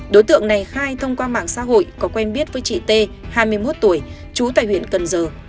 đối tượng này khai thông qua mạng xã hội có quen biết với chị t hai mươi một tuổi trú tại huyện cần giờ